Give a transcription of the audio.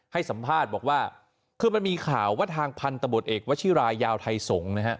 ให้สัมภาษณ์บอกว่าคือมันมีข่าวว่าทางพันธบทเอกวชิรายาวไทยสงฆ์นะฮะ